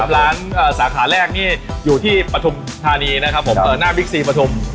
ร้านสาขาแรกนี้อยู่ที่ปฐุมธานีหน้าบิ๊กซีปฐุม